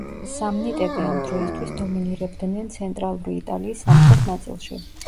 სამნიტები ამ დროისთვის დომინირებდნენ ცენტრალური იტალიის სამხრეთ ნაწილში.